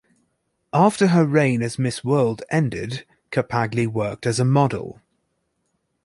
After her reign as Miss World ended, Cappagli worked as a model.